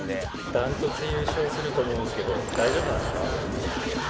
ダントツで優勝すると思うんですけど、大丈夫ですか？